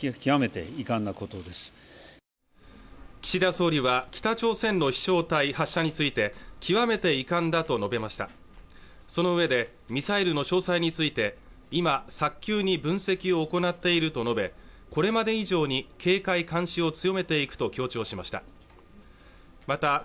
岸田総理は北朝鮮の飛翔体発射について極めて遺憾だと述べましたそのうえでミサイルの詳細について今、早急に分析を行っていると述べこれまで以上に警戒監視を強めていくと強調しました